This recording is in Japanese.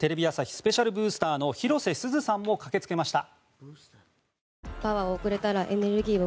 スペシャルブースターの広瀬すずさんも駆けつけました。